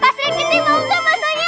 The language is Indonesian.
pasur kiti mau gak bakso nya